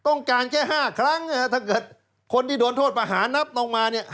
ต้องการแค่๕ครั้งถ้าเกิดคนที่โดนโทษประหารนับลงมาเนี่ย